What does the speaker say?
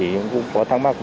thì cũng có thắc mắc